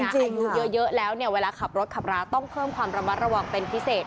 จริงเยอะแล้วเนี่ยเวลาขับรถขับราต้องเพิ่มความระมัดระวังเป็นพิเศษ